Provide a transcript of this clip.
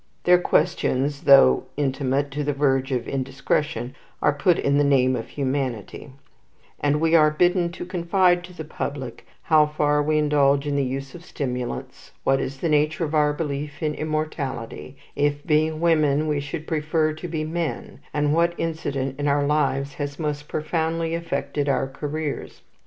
Their questions, though intimate to the verge of indiscretion, are put in the name of humanity; and we are bidden to confide to the public how far we indulge in the use of stimulants, what is the nature of our belief in immortality, if being women we should prefer to be men, and what incident of our lives has most profoundly affected our careers.